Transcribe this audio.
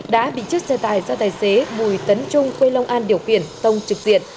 đã bị chiếc xe tải do tài xế bùi tấn trung quê long an điều khiển tông trực diện